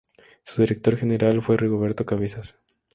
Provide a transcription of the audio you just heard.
Su director General fue Rigoberto Cabezas.